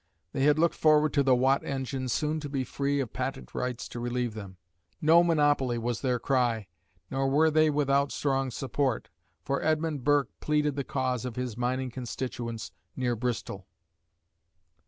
They had looked forward to the Watt engine soon to be free of patent rights to relieve them. "No monopoly," was their cry, nor were they without strong support, for Edmund Burke pleaded the cause of his mining constituents near Bristol.